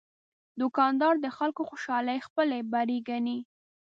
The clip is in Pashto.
دوکاندار د خلکو خوشالي خپل بری ګڼي.